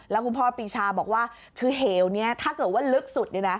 แล้วคุณพ่อปีชาบอกว่าคือเหวนี้ถ้าเกิดว่าลึกสุดเนี่ยนะ